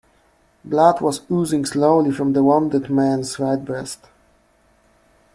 Blood was oozing slowly from the wounded man's right breast.